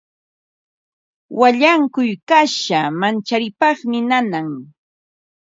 Wallankuy kasha mancharipaqmi nanan.